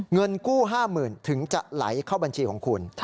เงินกู้๕๐๐๐ถึงจะไหลเข้าบัญชีของคุณ